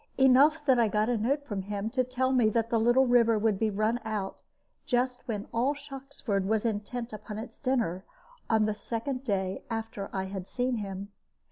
Enough that I got a note from him to tell me that the little river would be run out, just when all Shoxford was intent upon its dinner, on the second day after I had seen him.